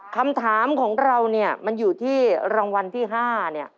คำถามของเราเนี่ยมันอยู่ที่รางวัลที่๕เนี่ย